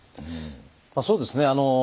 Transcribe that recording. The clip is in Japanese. まあそうですね。